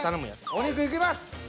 お肉いきます。